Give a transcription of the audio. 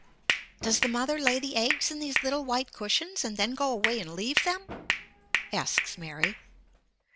"Does the mother lay the eggs in these little white cushions and then go away and leave them?" asks Mary.